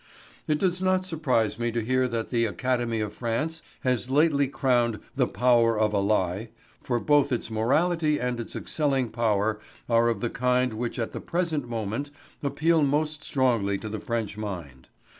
It does not surprise me to hear that the Academy of France has lately crowned "The Power of a Lie," for both its morality and its excelling power are of the kind which at the present moment appeal most strongly to the French mind.